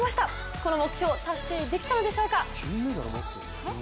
この目標、達成できたのでしょうか。